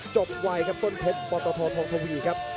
จบวัยครับต้นเพชรบอตโทษทองโทวีครับ